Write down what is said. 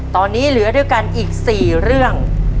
ตอนนี้เหลือด้วยกันอีก๔เรื่อง